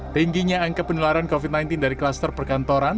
tingginya angka penularan covid sembilan belas dari kluster perkantoran